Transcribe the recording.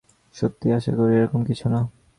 সত্যিই, আশা করি এরকম কিছু না।